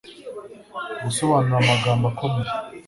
Gusobanura amagambo akomeye